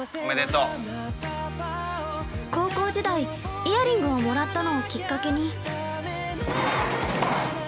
◆高校時代イヤリングをもらったのをきっかけに。